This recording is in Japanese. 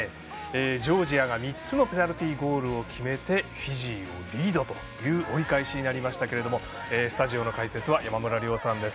ジョージアが３つのペナルティゴールを決めてフィジーをリードという折り返しになりましたけれどもスタジオの解説は山村亮さんです。